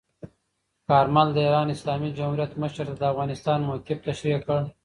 کارمل د ایران اسلامي جمهوریت مشر ته د افغانستان موقف تشریح کړ.